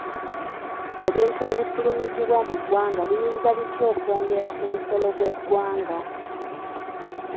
Ebintu ebifulumizibwa mu ggwanga biyinza bitya okwongera ku musolo gw'eggwanga?